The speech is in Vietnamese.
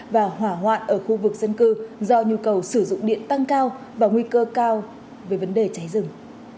và hỏa hoạn ở khu vực dân cư do nhu cầu sử dụng điện tăng cao và nguy cơ cao về vấn đề cháy rừng